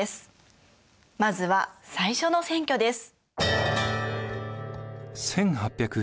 まずは最初の選挙です。